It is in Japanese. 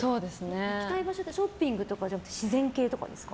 行きたい場所ってショッピングとかじゃなくて自然系とかですか。